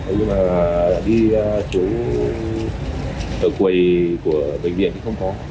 nhưng mà đi xuống ở quầy của bệnh viện thì không có